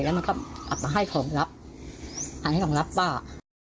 แล้วมันก็ให้ของลับให้ของรับบ้า